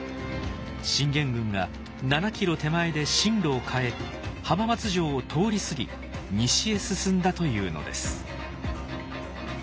信玄軍が７キロ手前で進路を変え浜松城を通り過ぎ西へ進んだというのです。